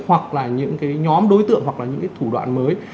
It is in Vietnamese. hoặc là những cái nhóm đối tượng hoặc là những cái thủ đoạn mới